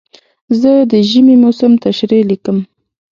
زه د ژمي موسم تشریح لیکم.